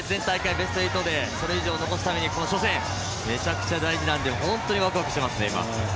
ベスト８でそれ以上を残すためにこの初戦、大事なので本当にワクワクしてますね、今。